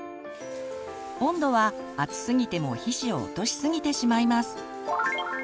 温度は熱すぎても皮脂を落とし過ぎてしまいます。